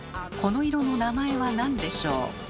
この色の名前は何でしょう？